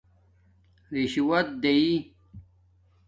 رشݸت دیئئ